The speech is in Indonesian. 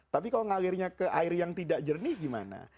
tapi kalau ngalirnya ke air yang tidak jernih gimana